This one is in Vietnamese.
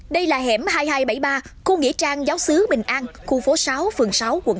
đây là hẻm hai nghìn hai trăm bảy mươi ba khu nghỉ trang giáo sứ bình an khu phố sáu phường sáu quận tám